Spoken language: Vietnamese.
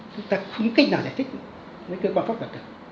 chúng ta không cách nào giải thích với cơ quan pháp luật